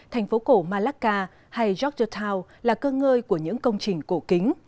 thành phố cổ malacca hay yorkshire town là cơ ngơi của những công trình cổ kính